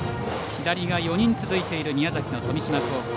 左が４人続いている宮崎の富島高校。